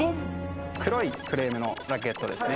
黒いフレームのラケットですね。